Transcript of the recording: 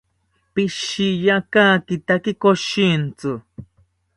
Pishiya kakitaki koshintzi